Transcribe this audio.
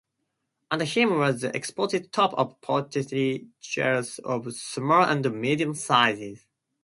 Under him were the exposed tops of pottery jars of small and medium sizes.